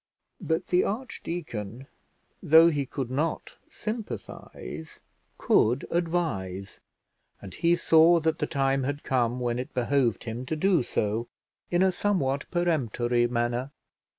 But the archdeacon, though he could not sympathise, could advise; and he saw that the time had come when it behoved him to do so in a somewhat peremptory manner.